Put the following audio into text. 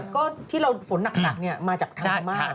ก็ที่เราฝนหนักเนี่ยมาจากทางสมาธิ